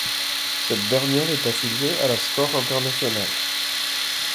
Cette dernière est affiliée à la Score Internationale.